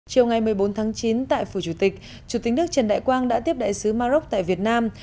chiều ngày một mươi bốn tháng chín tại phủ chủ tịch chủ tịch nước trần đại quang đã tiếp đại sứ maroc tại việt nam